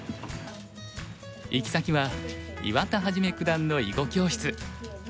行き先は岩田一九段の囲碁教室。